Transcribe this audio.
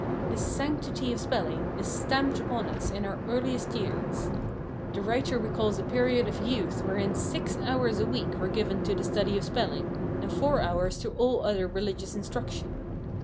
This sanctity of spelling is stamped upon us in our earliest years. The writer recalls a period of youth wherein six hours a week were given to the study of spelling, and four hours to all other religious instruction.